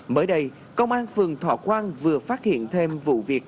mới đây công an phường thọ quang vừa phát hiện thêm vụ việc